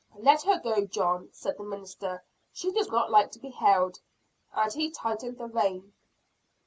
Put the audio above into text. "Let her go, John," said the minister; "she does not like to be held," and he tightened the rein.